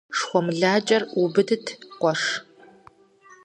ШхуэмылакӀэр убыдыт, къуэш.